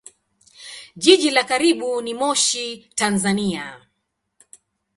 Jiji la karibu ni Moshi, Tanzania.